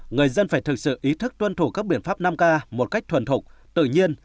người dân phải thực sự ý thức tuân thủ các biện pháp năm k một cách thuần thục tự nhiên